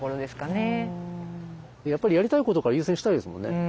やっぱりやりたいことから優先したいですもんね。